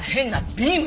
ビーム！